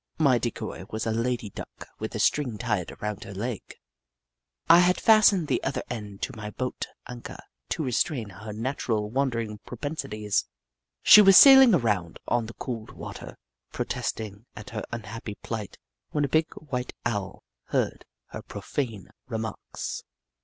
My decoy was a lady Duck with a string tied around her leg. I had fastened the other end to my boat anchor to restrain her natural wandering propensities. She was sailing around on the cold water, pro testing at her unhappy plight, when a big white Owl heard her profane remarks.